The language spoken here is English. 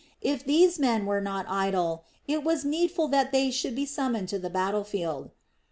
If these men were not to be idle, it was needful that they should be summoned to the battle field.